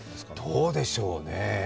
どうでしょうね